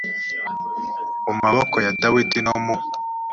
mu maboko ya dawidi no mu